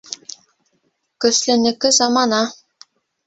Көслөнөкө замана.